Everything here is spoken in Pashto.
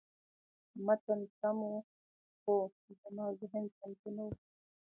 متن سم و، خو زما ذهن چمتو نه و.